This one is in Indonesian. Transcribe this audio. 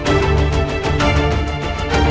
itu abi dari mas bayu